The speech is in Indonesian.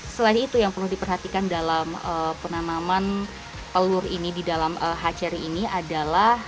selain itu yang perlu diperhatikan dalam penanaman telur ini di dalam hachery ini adalah